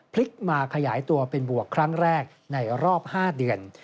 พลิกมาขยายตัวเป็นบวกครั้งแรกในรอบ๕เดือน